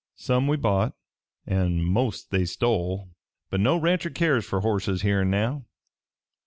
Some we bought an' most they stole, but no rancher cares fer horses here an' now.